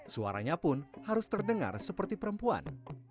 suaranya pun harus terdengar seperti perempuan